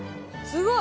すごい！